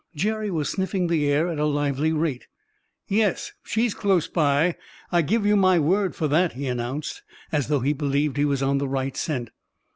Jerry was sniffing the air at a lively rate. "Yes, she's close by, I give you my word for that," he announced, as though he believed he was on the right scent.